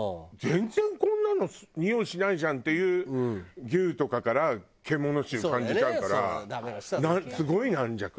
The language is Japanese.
全然こんなのにおいしないじゃんっていう牛とかから獣臭感じちゃうからすごい軟弱。